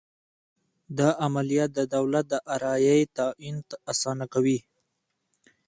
دا عملیه د دولت د دارایۍ تعین اسانه کوي.